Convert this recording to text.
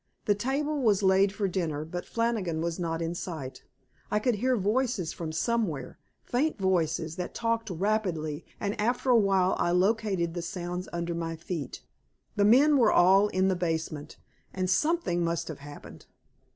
The table was laid for dinner, but Flannigan was not in sight. I could hear voices from somewhere, faint voices that talked rapidly, and after a while I located the sounds under my feet. The men were all in the basement, and something must have happened.